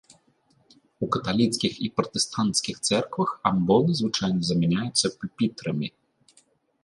У каталіцкіх і пратэстанцкіх цэрквах амбоны звычайна замяняюцца пюпітрамі.